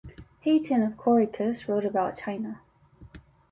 Hayton of Corycus wrote about China.